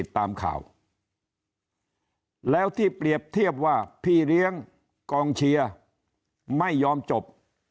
ตามข่าวแล้วที่เปรียบเทียบว่าพี่เลี้ยงกองเชียร์ไม่ยอมจบ